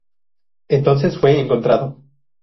Entonces fue contratado.